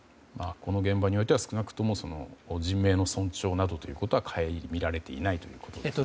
この現場においては少なくとも人命の尊重などは顧みられていないということですね。